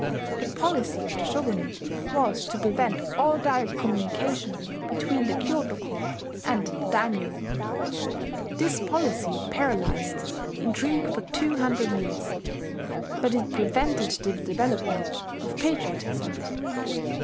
The policy of the shogunate was to prevent all direct communication between the Kyoto court and the daimyo. This policy paralyzed intrigue for two hundred years; but it prevented the development of patriotism.